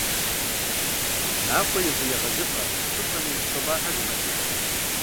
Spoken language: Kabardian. «Нахъуэ и вы егъэзыпӏэ» щӏыпӏэми хъыбар хьэлэмэт иӏэщ.